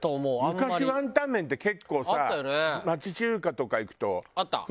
昔ワンタン麺って結構さ町中華とか行くと普通にあったよね